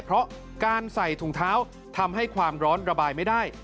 เพราะการใส่ถุงเท้าทำให้ความร้อนระบายไม่ได้